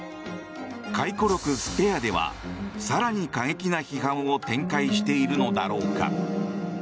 回顧録「スペア」では更に過激な批判を展開しているのだろうか。